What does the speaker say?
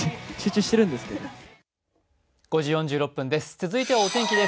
続いてはお天気です。